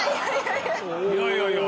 いやいやいや。